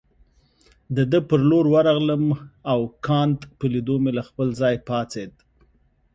د ده پر لور ورغلم او کانت په لیدو مې له خپل ځای پاڅېد.